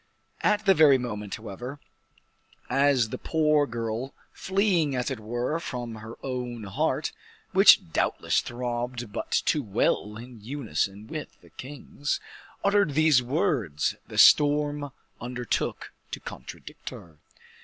At the very moment, however, as the poor girl, fleeing as it were from her own heart, which doubtless throbbed but too well in unison with the king's, uttered these words, the storm undertook to contradict her.